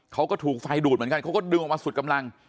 เขาก็ถูกไฟดูดเหมือนกันเขาก็ดึงออกมาสุดกำลัง